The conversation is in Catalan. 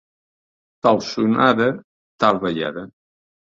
Tal sonada, tal ballada.